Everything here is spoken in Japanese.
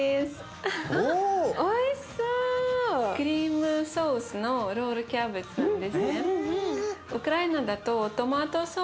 クリームソースのロールキャベツなんですね。